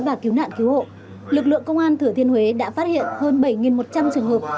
và cứu nạn cứu hộ lực lượng công an thừa thiên huế đã phát hiện hơn bảy một trăm linh trường hợp